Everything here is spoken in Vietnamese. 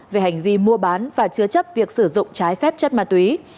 về hành vi mua bán và chứa chấp việc sử dụng trái phép chất ma túy